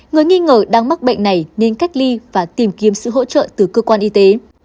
người nghi ngờ đang mắc bệnh này nên cách ly và tìm kiếm sự hỗ trợ từ cơ quan y tế